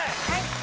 はい。